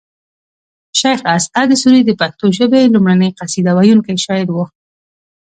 شیخ اسعد سوري د پښتو ژبې لومړنۍ قصیده ویونکی شاعر و